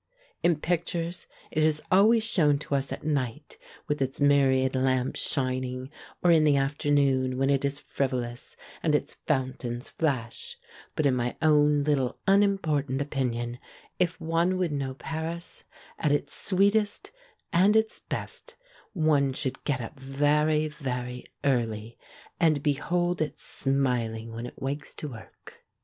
In pictures it is always shown to us at night with its myriad lamps shining, or in the afternoon when it is frivolous, and its fountains flash ; but, in my own little unimportant opinion, if one would know Paris at its sweetest and its best, one should get up very, very early, and be hold it smiling when it wakes to work.